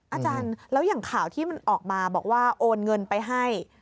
อาจารย์แล้วอย่างข่าวที่มันออกมาบอกว่าโอนเงินไปให้